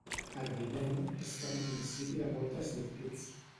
Ardiment és cap i principi de moltes virtuts.